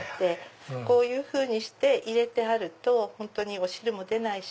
こういうふうにして入れてあるとお汁も出ないし。